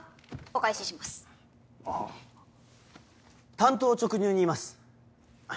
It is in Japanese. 単刀直入に言います。